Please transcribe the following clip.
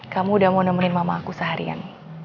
kamu udah mau nemenin mama aku seharian